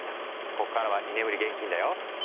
こっからは居眠り厳禁だよ。